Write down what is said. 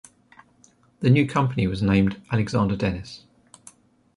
The new company was named Alexander Dennis.